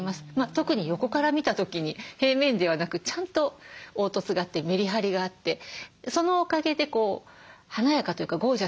特に横から見た時に平面ではなくちゃんと凹凸があってメリハリがあってそのおかげでこう華やかというかゴージャスな印象があります。